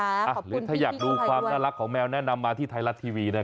หรือถ้าอยากดูความน่ารักของแมวแนะนำมาที่ไทยรัฐทีวีนะ